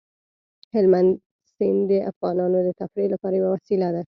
هلمند سیند د افغانانو د تفریح لپاره یوه وسیله ده.